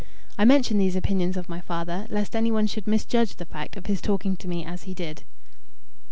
I mention these opinions of my father, lest anyone should misjudge the fact of his talking to me as he did.